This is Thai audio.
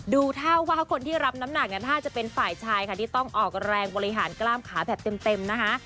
ดูท่าว่าคนที่รับน้ำหนักน่าจะเป็นฝ่ายชายค่ะที่ต้องออกแรงบริหารกล้ามขาแบบเต็มนะคะ